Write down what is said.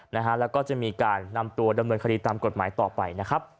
และก็จะมีการนำตัวดำเนินคดีตามกฎหมายต่อไป